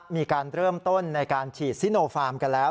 มีการเริ่มต้นในการฉีดซิโนฟาร์มกันแล้ว